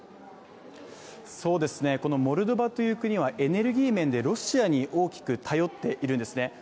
このモルドバという国は、エネルギー面でロシアに大きく頼っているんですね。